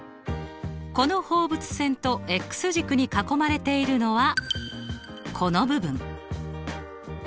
この放物線と軸に囲まれているのはこの部分。